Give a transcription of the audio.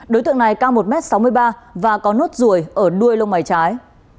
đối tượng này cao một m sáu mươi ba và có nốt ruồi ở đuôi lông mái trái